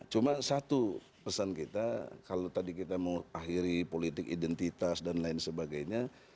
cuma satu pesan kita kalau tadi kita mau akhiri politik identitas dan lain sebagainya